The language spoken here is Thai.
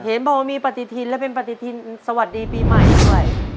เห็นบอกว่ามีปฏิทินและเป็นปฏิทินสวัสดีปีใหม่ด้วย